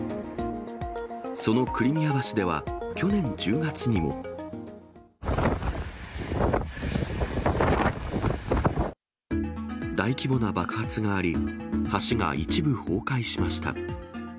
そのクリミア橋では、去年１０月にも。大規模な爆発があり、橋が一部崩壊しました。